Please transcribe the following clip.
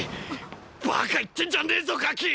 バカ言ってんじゃねぇぞガキ！！